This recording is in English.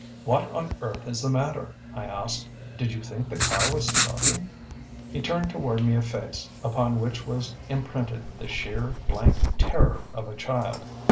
"What on earth is the matter?" I asked. "Did you think the car was starting?" He turned toward me a face upon which was imprinted the sheer, blank terror of a child.